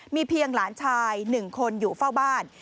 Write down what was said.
มีเพียงหลานชาย๑คนอยู่เฝ้าบ้าน